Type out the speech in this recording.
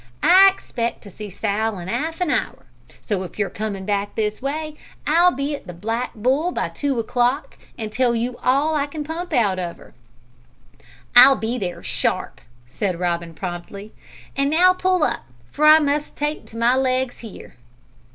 I expect to see Sal in 'alf an hour, so if you're comin' back this way, I'll be at the Black Bull by two o'clock, and tell you all I can pump out of 'er." "I'll be there sharp," said Robin promptly; "an now pull up, for I must take to my legs here."